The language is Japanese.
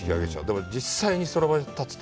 でも、実際にその場所に立つと。